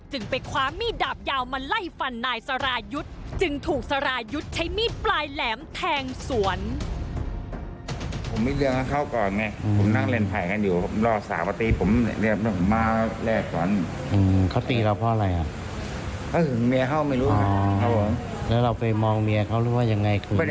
จึงไปคว้ามีดดาบยาวมาไล่ฟันนายสรายุทธ์จึงถูกสรายุทธ์ใช้มีดปลายแหลมแทงสวน